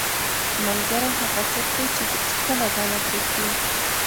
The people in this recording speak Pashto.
• ملګری هغه څوک دی چې هیڅکله تا نه پرېږدي.